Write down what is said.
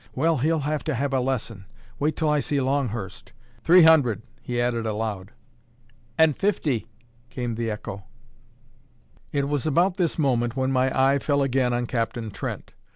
"Well, he'll have to have a lesson. Wait till I see Longhurst. Three hundred," he added aloud. "And fifty," came the echo. It was about this moment when my eye fell again on Captain Trent.